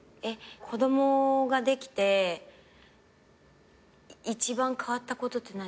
子供ができて一番変わったことって何？